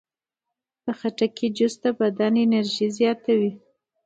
د خټکي جوس د بدن انرژي زیاتوي.